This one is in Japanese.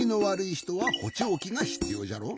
ひとはほちょうきがひつようじゃろ？